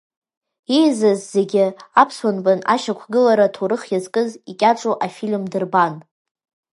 Еизаз зегьы аԥсуа нбан ашьақәгылара аҭоурых иазкыз икьаҿу афильм дырбан.